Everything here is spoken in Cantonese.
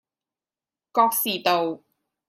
覺士道